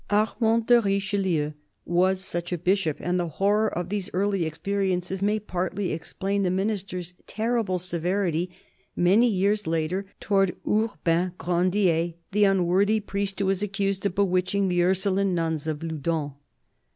Armand de Richelieu was such a bishop ; and the horror of these early experiences may partly explain the Minister's terrible severity, many years later, towards Urbain Grandier, the unworthy priest who was accused of bewitching the Ursuline nuns of Loudun.